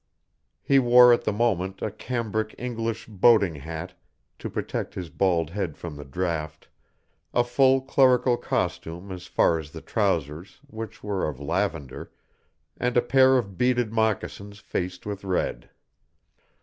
He wore at the moment a cambric English boating hat to protect his bald head from the draught, a full clerical costume as far as the trousers, which were of lavender, and a pair of beaded moccasins faced with red.